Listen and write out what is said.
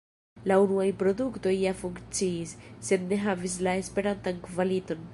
La unuaj produktoj ja funkciis, sed ne havis la esperatan kvaliton.